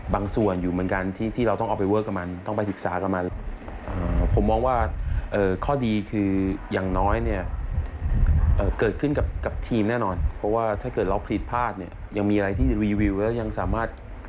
เพราะว่าถ้าเกิดเราผลิตพลาดยังมีอะไรที่รีวิวแล้วยังสามารถ